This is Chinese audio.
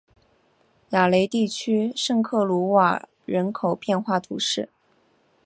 雅雷地区圣克鲁瓦人口变化图示